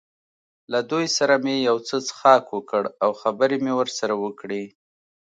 له دوی سره مې یو څه څښاک وکړ او خبرې مې ورسره وکړې.